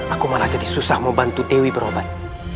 aku malah jadi susah membantu dewi berobat